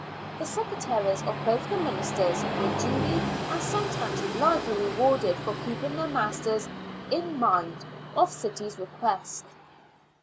The secretaries of both the ministers were duly and sometimes largely rewarded for keeping their masters " in mind " of the city's request.